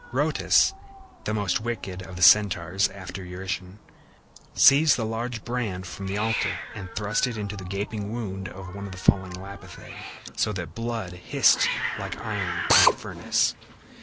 Rhoetus, the most wicked of the Centaurs after Eurytion, seized the largest brand from the altar and thrust it into the gaping wound of one of the fallen Lapithæ, so that the blood hissed like iron in a furnace.